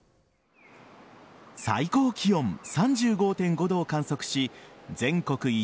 最高気温３５．５度を観測し全国一